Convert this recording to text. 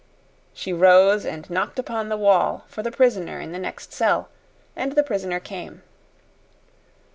She rose and knocked upon the wall for the prisoner in the next cell, and the prisoner came.